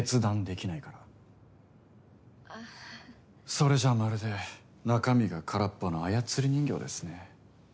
それじゃまるで中身が空っぽの操り人形ですね。